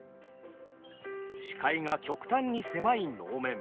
視界が極端に狭い能面。